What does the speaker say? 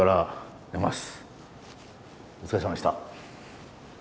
お疲れさまでした。